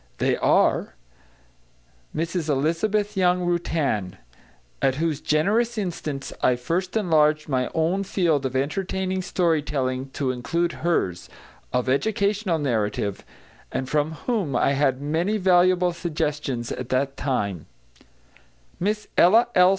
They are: Mrs Elizabeth Young Rutan, at whose generous instance I first enlarged my own field of entertaining story telling to include hers, of educational narrative, and from whom I had many valuable suggestions at that time; Miss Ella L.